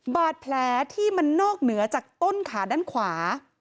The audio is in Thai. บาดแผลที่มันนอกเหนือจากต้นขาด้านขวา